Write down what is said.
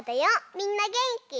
みんなげんき？